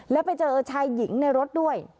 แล้วไปเจอชายหญิงในรถด้วย